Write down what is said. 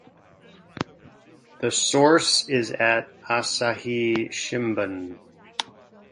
The source is at Asahi Shimbun.